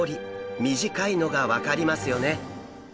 短いのが分かりますよね。